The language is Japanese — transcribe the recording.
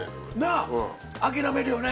なぁ諦めるよね